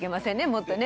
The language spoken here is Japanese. もっとね。